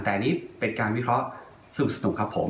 แต่อันนี้เป็นการวิเคราะห์สนุกครับผม